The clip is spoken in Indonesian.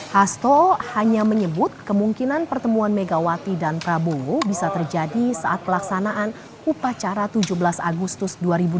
hasto hanya menyebut kemungkinan pertemuan megawati dan prabowo bisa terjadi saat pelaksanaan upacara tujuh belas agustus dua ribu dua puluh